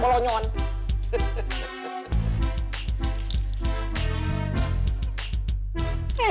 boah tuh keutuhan kan seperti itu